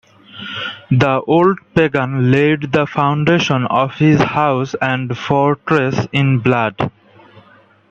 The old pagan laid the foundation of his house and fortress in blood.